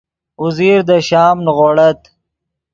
اوزیر دے شام نیغوڑت